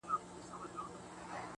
o څوك مي دي په زړه باندي لاس نه وهي.